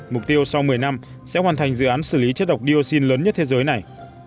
mục tiêu sau một mươi năm sẽ hoàn thành dự án xử lý chất độc dioxin lớn nhất thế giới này